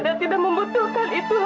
mama tidak membutuhkannya lagi